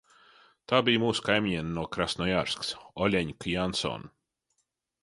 Tā bija mūsu kaimiņiene no Krasnojarskas – Oļeņka Jansone.